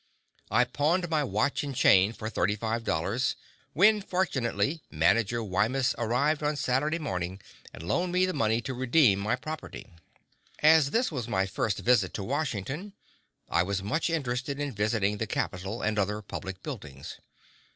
I pawned my watch and chain for thirty five dollars, when fortunately Manager Wemyss arrived on Saturday morning and loaned me the money to redeem my property. As this was my first visit to Washington I was much interested in visiting the capitol and other public buildings.